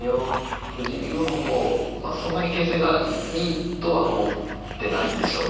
藤井竜王の方もそんなに形勢がいいとは思ってないでしょうね。